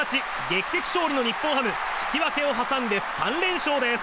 劇的勝利の日本ハム引き分けを挟んで３連勝です。